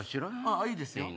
あっいいですよ。